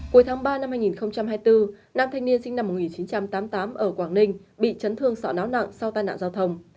cuối tháng ba năm hai nghìn hai mươi bốn nam thanh niên sinh năm một nghìn chín trăm tám mươi tám ở quảng ninh bị chấn thương sọ não nặng sau tai nạn giao thông